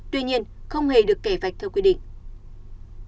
tuy nhiên không hề được kẻ vạch theo quy định